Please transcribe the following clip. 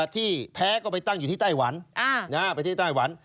ที่แพ้ก็ไปตั้งอยู่ที่ไต้หวันนะครับประเทศไต้หวัน